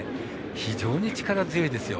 非常に力強いですよ。